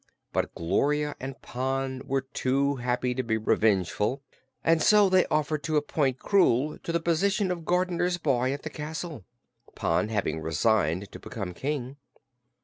But Gloria and Pon were too happy to be revengeful and so they offered to appoint Krewl to the position of gardener's boy at the castle, Pon having resigned to become King.